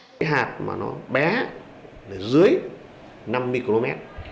cái hạt mà nó bé dưới năm mươi km